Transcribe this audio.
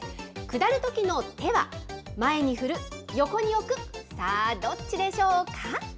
下るときの手は、前に振る、横に置く、さあ、どっちでしょうか？